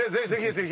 ぜひ！